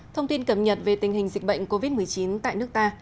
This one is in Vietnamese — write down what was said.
thông tin cập nhật về tình hình dịch bệnh covid một mươi chín tại nước ta